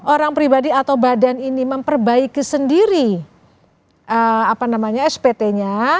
orang pribadi atau badan ini memperbaiki sendiri spt nya